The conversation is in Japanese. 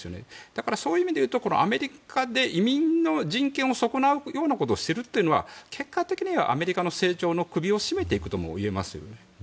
だからそういう意味でいうとアメリカで移民の人権を損なうようなことをするというのは結果的にはアメリカの成長の首を絞めていくとも言えますよね。